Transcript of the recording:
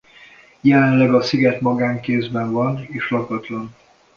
Jelenleg a sziget magánkézben van és lakatlan.